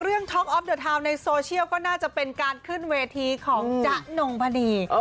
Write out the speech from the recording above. ท็อกออฟเดอร์ทาวน์ในโซเชียลก็น่าจะเป็นการขึ้นเวทีของจ๊ะนงพนี